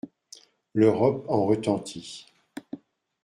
L'Europe en retentit.